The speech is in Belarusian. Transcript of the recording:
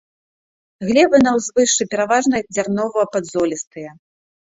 Глебы на ўзвышшы пераважна дзярнова-падзолістыя.